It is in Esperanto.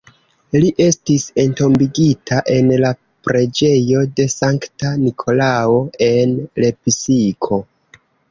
Li estis entombigita en la Preĝejo de Sankta Nikolao, en Lepsiko.